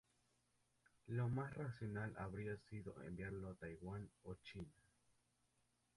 Lo más racional habría sido enviarlo a Taiwán o China.